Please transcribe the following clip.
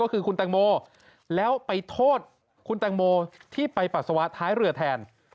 ก็คือคุณแตงโมแล้วไปโทษคุณแตงโมที่ไปปัสสาวะท้ายเรือแทน